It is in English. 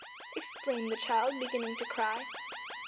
exclaimed the child beginning to cry.